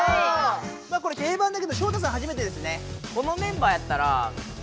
これ定番だけどショウタさんはじめてですね。